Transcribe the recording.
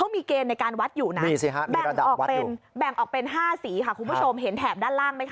ไมโครกรัมต่อลูกบาทเมตร